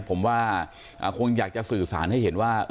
ผมว่าคงอยากจะสื่อสารให้เห็นว่า